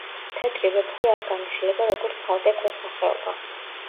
თეთრი ვეფხვი არ განიხილება როგორც ცალკე ქვესახეობა.